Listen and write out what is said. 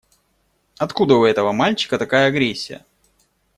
Откуда у этого мальчика такая агрессия?